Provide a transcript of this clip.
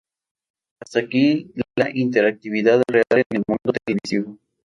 Hasta aquí la interactividad real en el "mundo televisivo".